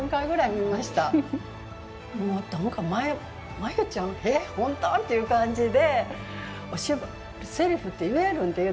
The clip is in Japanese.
真由ちゃん？え、本当？っていう感じで。